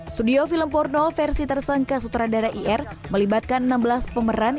studio film porno versi tersangka sutradara ir melibatkan enam belas pemeran